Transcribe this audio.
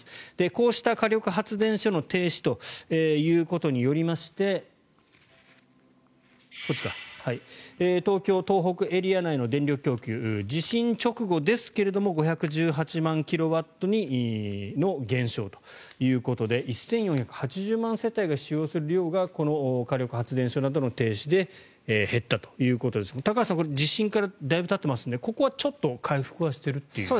こうした火力発電所の停止ということによりまして東京、東北エリア内の電力供給地震直後ですが５１８万キロワットの減少ということで１４８０万世帯が使う電気量がこの火力発電所などの停止で減ったということですが高橋さん地震からだいぶたっていますのでここはちょっと回復していると。